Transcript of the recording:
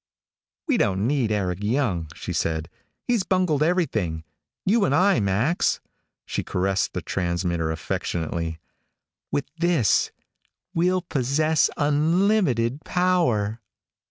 "We don't need Eric Young," she said. "He's bungled everything. You and I, Max " She caressed the transmitter affectionately. "With this, we'll possess unlimited power."